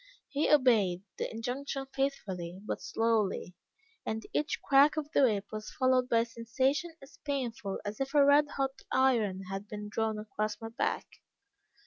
He obeyed the injunction faithfully, but slowly, and each crack of the whip was followed by a sensation as painful as if a red hot iron had been drawn across my back.